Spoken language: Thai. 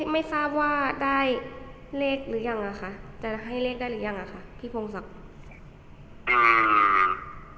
ไม่ทราบว่าได้เลขหรือยังอ่ะคะแต่ให้เลขได้หรือยังอ่ะค่ะพี่พงศักดิ์อ่า